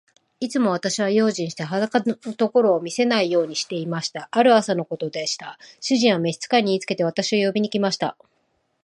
いつも私は用心して、裸のところを見せないようにしていました。ある朝のことでした。主人は召使に言いつけて、私を呼びに来ました。